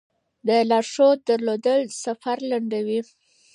د لارښود درلودل سفر لنډوي.